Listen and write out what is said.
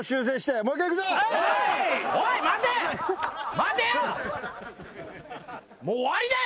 待てよ！